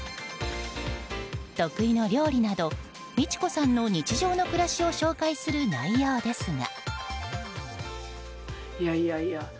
得意の料理など美智子さんの日常の暮らしを紹介する内容ですが。